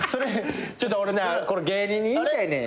ちょっと俺なこれ芸人に言いたいねん。